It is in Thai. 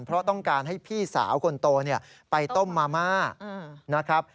เพราะต้องการให้พี่สาวคนโตไปต้มมาม่านะครับ